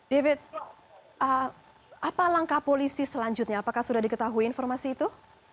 david apa langkah polisi selanjutnya apakah sudah diketahui informasi itu